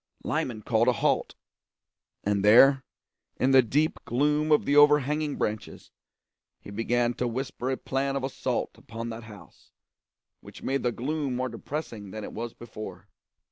Lyman called a halt; and there, in the deep gloom of the overhanging branches, he began to whisper a plan of assault upon that house, which made the gloom more depressing than it was before.